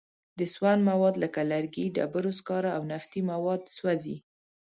د سون مواد لکه لرګي، ډبرو سکاره او نفتي مواد سوځي.